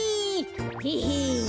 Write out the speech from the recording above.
ヘヘ。